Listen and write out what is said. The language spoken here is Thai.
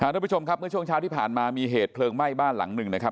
ทุกผู้ชมครับเมื่อช่วงเช้าที่ผ่านมามีเหตุเพลิงไหม้บ้านหลังหนึ่งนะครับ